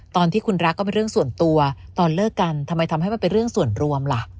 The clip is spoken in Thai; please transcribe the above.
ตอนที่คุณรักก็เป็นเรื่องส่วนตัวตอนเลิกกันทำไมทำให้มันเป็นเรื่องส่วนรวมล่ะ